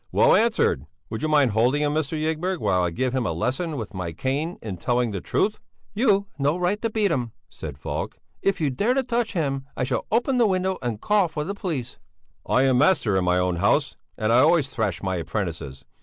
"Well answered! Would you mind holding him, Mr. Ygberg, while I give him a lesson with my cane in telling the truth?" "You've no right to beat him," said Falk. "If you dare to touch him, I shall open the window and call for the police." "I am master in my own house and I always thrash my apprentices.